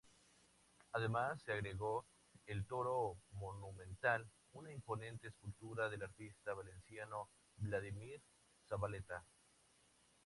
Además se agregó el Toro Monumental, una imponente escultura del artista valenciano Wladimir Zabaleta.